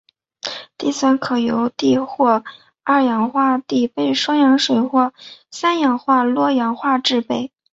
碲酸可由碲或二氧化碲被双氧水或三氧化铬氧化制备。